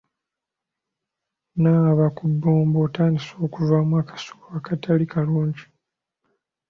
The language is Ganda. Nnaaba ku bbombo otandise okuvaamu akasu akatali kalungi.